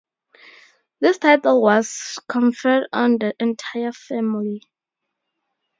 This title was conferred on "the entire family".